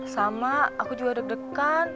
sama aku juga deg degan